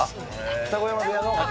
二子山部屋の。